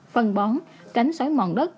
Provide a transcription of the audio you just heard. phân bón cánh xói mòn đất